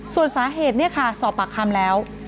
ส่วนสาเหตุเนี่ยค่ะสอบปากคำแล้ว